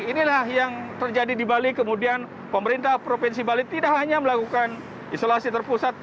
inilah yang terjadi di bali kemudian pemerintah provinsi bali tidak hanya melakukan isolasi terpusat